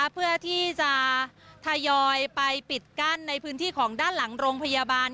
เพื่อที่จะทยอยไปปิดกั้นในพื้นที่ของด้านหลังโรงพยาบาล